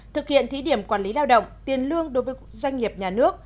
thực hiện thí điểm quản lý lao động tiền lương đối với doanh nghiệp nhà nước